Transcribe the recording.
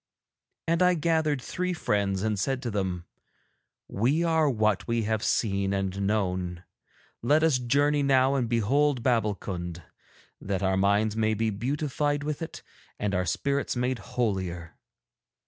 And I gathered three friends and said to them: 'We are what we have seen and known. Let us journey now and behold Babbulkund, that our minds may be beautified with it and our spirits made holier.'